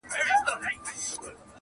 یاره کله به سیالان سو دجهانه.